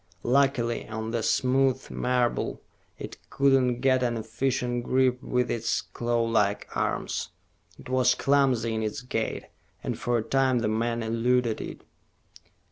Luckily, on the smooth marble it could not get an efficient grip with its clawlike arms. It was clumsy in its gait, and for a time the man eluded it.